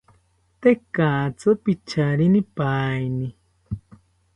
Tekatzi picharinipaeni